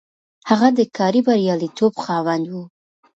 هغه د کاري برياليتوب خاوند و.